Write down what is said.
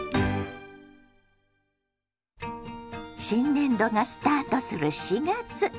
新年度がスタートする４月。